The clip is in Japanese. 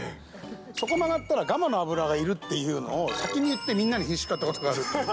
そこ曲がったらがまの油がいるっていうのを先に言ってみんなにひんしゅくかったことがある。